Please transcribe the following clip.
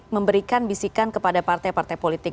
memberikan bisikan kepada partai partai politik